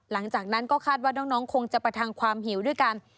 หลังจากนั้นก็คาดว่าน้องคงจะประทังความหิวด้วยกัน